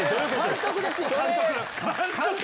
監督ですよ監督！